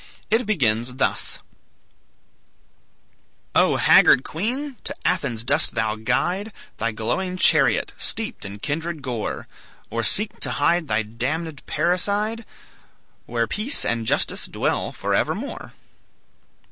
It begins thus: "O haggard queen! to Athens dost thou guide Thy glowing chariot, steeped in kindred gore; Or seek to hide thy damned parricide Where peace and justice dwell for evermore?"